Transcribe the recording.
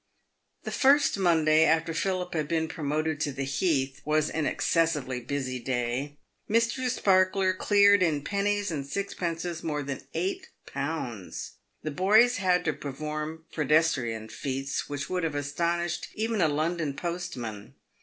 The first Monday after Philip had been promoted to the heath was; an excessively busy day. Mr. Sparkler cleared in pennies and six pences more than eight pounds. The boys had to perform pedestrian feats which would have astonished even a London postman.